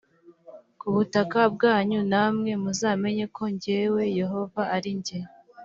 ku butaka bwanyu namwe muzamenya ko jyewe yehova ari jye